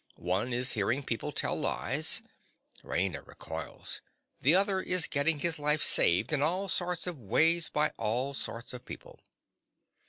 One is hearing people tell lies (Raina recoils): the other is getting his life saved in all sorts of ways by all sorts of people.